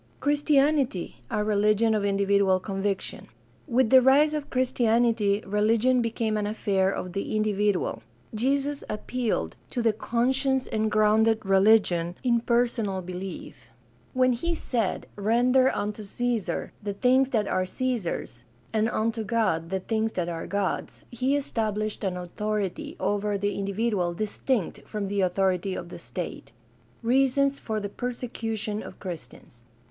Christianity a religion of individual conviction. — With the rise of Christianity religion became an affair of the individ ual. Jesus appealed to the conscience and grounded religion 442 GUIDE TO STUDY OF CHRISTIAN RELIGION in personal belief. When he said, "Render unto Caesar the things that are Caesar's, and unto God the things that are God's," he established an authority over the individual distinct from the authority of the state. Reasons for the persecution of Christians.